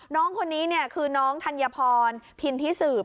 น้องคนนี้คือน้องธัญพลพิณฑษูป